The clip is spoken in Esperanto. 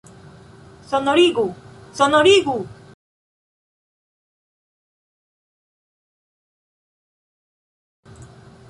Sonorigu, sonorigu!